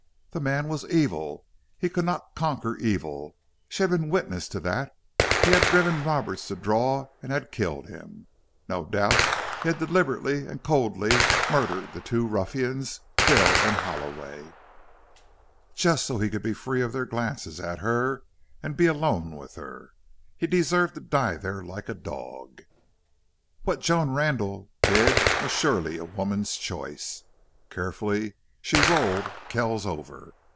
The man was evil. He could not conquer evil. She had been witness to that. He had driven Roberts to draw and had killed him. No doubt he had deliberately and coldly murdered the two ruffians, Bill and Halloway, just so he could be free of their glances at her and be alone with her. He deserved to die there like a dog. What Joan Randle did was surely a woman's choice. Carefully she rolled Kells over.